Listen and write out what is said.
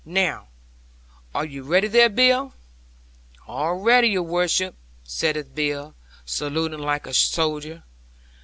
Now, are you ready there, Bill?" '"All ready, your worship," saith Bill, saluting like a soldier.